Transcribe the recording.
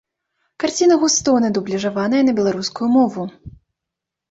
Карціна густоўна дубляжаваная на беларускую мову.